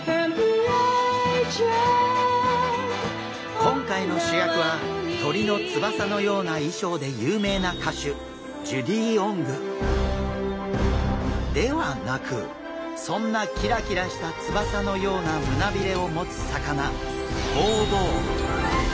今回の主役は鳥の翼のような衣装で有名な歌手ではなくそんなキラキラした翼のような胸びれを持つ魚ホウボウ。